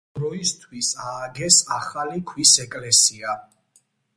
ამ დროისთვის ააგეს ახალი ქვის ეკლესია.